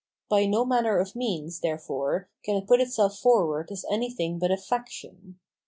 By no manner of means, therefore, can it put itself forward as an 3 d;hing but a faction.